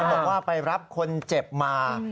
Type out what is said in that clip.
บอกว่าไปรับคนเจ็บมา